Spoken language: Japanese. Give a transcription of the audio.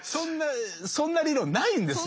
そんな理論ないんですよ。